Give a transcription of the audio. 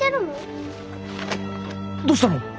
どうしたの？